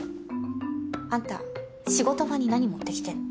あんた仕事場に何持ってきてんの。